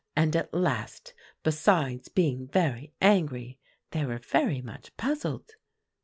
And at last, besides being very angry, they were very much puzzled.